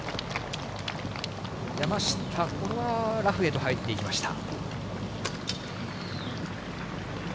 山下、これはラフへと入っていきました。